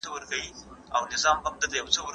اقتصاد پوهانو دا ټکي هم څېړلي دي.